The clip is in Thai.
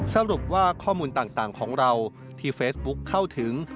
สรุปว่าข้อมูลต่างของเราที่เฟซบุ๊คเข้าถึง